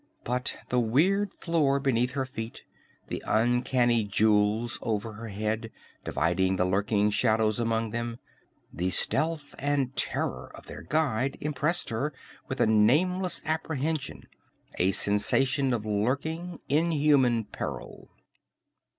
But the weird floor beneath her feet, the uncanny jewels over her head, dividing the lurking shadows among them, the stealth and terror of their guide, impressed her with a nameless apprehension, a sensation of lurking, inhuman peril.